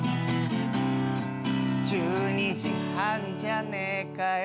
「１２時半じゃねえかよ」